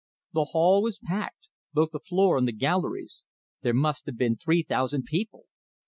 The hall was packed, both the floor and the galleries; there must have been three thousand people.